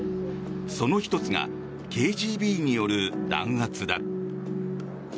その１つがＫＧＢによる弾圧だ。